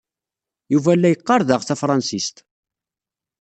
Yuba la yeqqar daɣ tafṛensist.